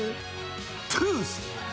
トゥース。